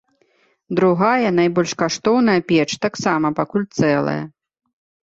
Другая, найбольш каштоўная печ, таксама пакуль цэлая.